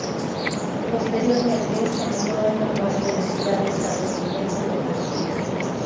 Posteriormente, se nombró en honor de la ciudad estadounidense de Boston.